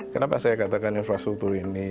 kenapa saya katakan infrastruktur ini